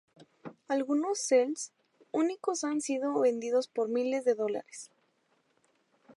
Algunos "cels" únicos han sido vendidos por miles de dólares.